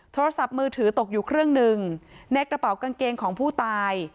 โทรศัพท์มือถือตกอยู่เครื่องหนึ่งในกระเป๋ากางเกงของผู้ตาย